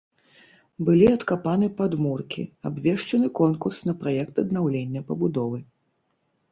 Былі адкапаны падмуркі, абвешчаны конкурс на праект аднаўлення пабудовы.